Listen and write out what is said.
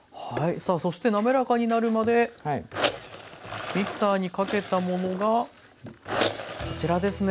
さあそして滑らかになるまでミキサーにかけたものがこちらですね。